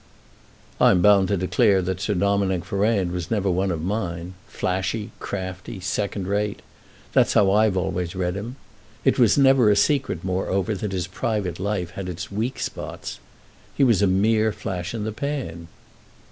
"I'm bound to declare that Sir Dominick Ferrand was never one of mine. Flashy, crafty, second rate—that's how I've always read him. It was never a secret, moreover, that his private life had its weak spots. He was a mere flash in the pan."